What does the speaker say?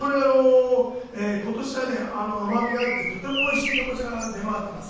非常にこれ、ことしはね、甘みがあってとてもおいしいカボチャが出回ってます。